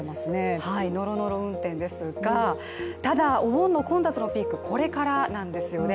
のろのろ運転ですが、ただ、お盆の混雑のピーク、これからなんですよね。